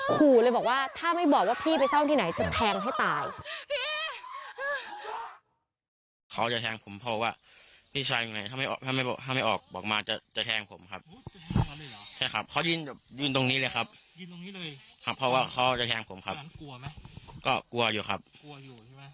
ขู่เลยบอกว่าถ้าไม่บอกว่าพี่ไปซ่อมที่ไหนจะแทงให้ตาย